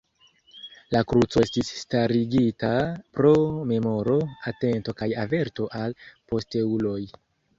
La kruco estis starigita pro memoro, atento kaj averto al posteuloj.